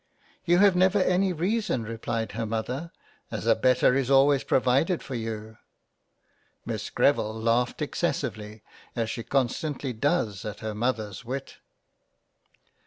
" You have never any reason replied her Mother, as a better is always provided for you." Miss Greville laughed excessively, as she con stantly does at her Mother's wit.